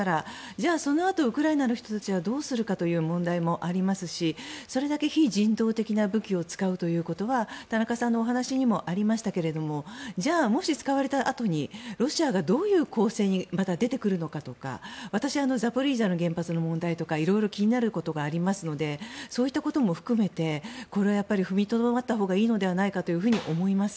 じゃあそのあとウクライナの人たちはどうするかという問題もありますしそれだけ非人道的な武器を使うということは田中さんのお話にもありましたがじゃあ、もし使われたあとにロシアが、またどういう攻勢に出てくるのかとか私、ザポリージャの原発の問題とか色々気になることがありますのでそういったことも含めてこれは踏みとどまったほうがいいのではないかと思います。